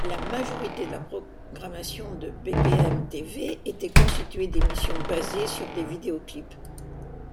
La majorité de la programmation de bpm:tv était constituée d'émissions basées sur des vidéoclips.